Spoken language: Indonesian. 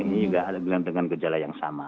ini juga dengan gejala yang sama